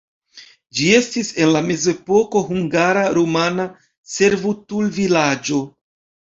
Ĝi estis en la mezepoko hungara-rumana servutulvilaĝo.